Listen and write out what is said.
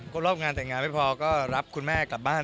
ก็รอบงานแต่งงานไม่พอก็รับคุณแม่กลับบ้าน